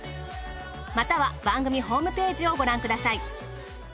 または番組ホームページをご覧ください。